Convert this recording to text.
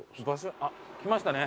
あっ来ましたね。